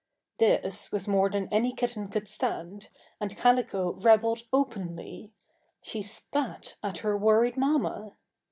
This was more than any kitten could stand, and Calico rebelled openly; she spat at her worried mamma!